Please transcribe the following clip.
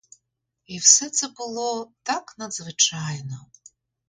І все це було так надзвичайно.